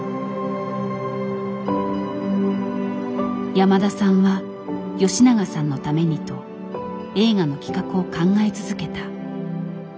山田さんは吉永さんのためにと映画の企画を考え続けた。